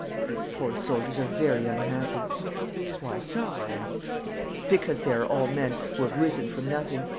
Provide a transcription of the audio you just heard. These poor soldiers are very unhappy.' 'Why so?' I asked. 'Because they are all men who have risen from nothing.